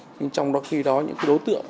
nhưng trong đó khi đó những đối tượng